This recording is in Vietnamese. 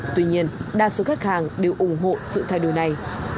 tuy nhiên đa số khách hàng đều ủng hộ sự thay đổi này